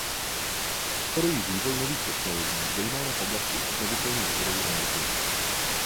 Podporuji vývoj nových technologií, zejména v oblasti obnovitelných zdrojů energie.